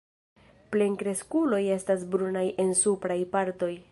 Plenkreskuloj estas brunaj en supraj partoj.